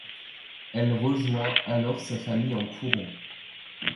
Elle rejoint alors sa famille en courant.